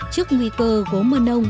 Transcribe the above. trước nguy cơ gốm mân âu